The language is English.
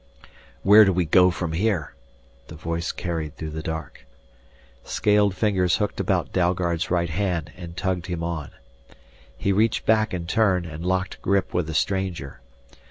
"Where do we go from here?" The voice carried through the dark. Scaled fingers hooked about Dalgard's right hand and tugged him on. He reached back in turn and locked grip with the stranger.